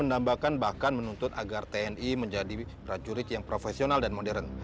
dan bahkan bahkan menuntut agar tni menjadi prajurit yang profesional dan modern